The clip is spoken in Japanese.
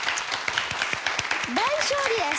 大勝利です。